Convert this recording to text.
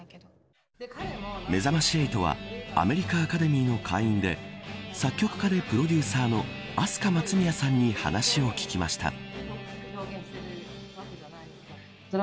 めざまし８はアメリカアカデミーの会員で作曲家でプロデューサーのアスカ・マツミヤさんに話を聞きました。